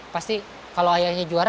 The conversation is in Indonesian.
pasti kalau ayahnya juara